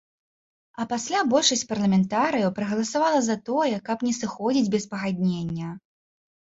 А пасля большасць парламентарыяў прагаласавала за тое, каб не сыходзіць без пагаднення.